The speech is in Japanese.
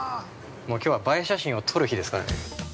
きょうは映え写真を撮る日ですからね。